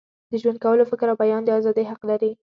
د ژوند کولو، فکر او بیان د ازادۍ حق لري.